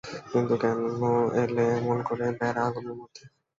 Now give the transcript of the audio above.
কিন্তু কেন এলে এমন করে বেড়া-আগুনের মধ্যে?